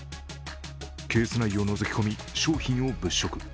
ケース内をのぞき込み商品を物色。